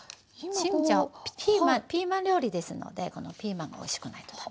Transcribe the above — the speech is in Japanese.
チンジャオピーマン料理ですのでピーマンがおいしくないと駄目。